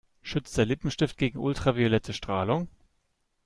Schützt der Lippenstift gegen ultraviolette Strahlung?